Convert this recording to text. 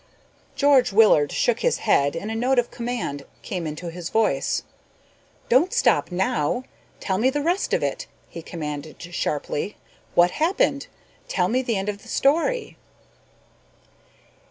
George Willard shook his head and a note of command came into his voice. "Don't stop now. Tell me the rest of it," he commanded sharply. "What happened? Tell me the rest of the story."